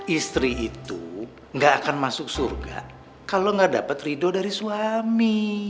istri itu gak akan masuk surga kalau nggak dapat ridho dari suami